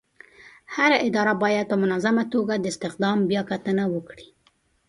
هره اداره باید په منظمه توګه د استخدام بیاکتنه وکړي.